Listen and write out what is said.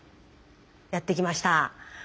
やって来ました。